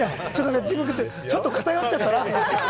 ちょっと偏っちゃったなって。